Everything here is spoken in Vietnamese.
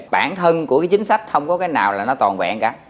bản thân của cái chính sách không có cái nào là nó toàn vẹn cả